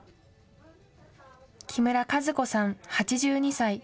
木村和子さん、８２歳。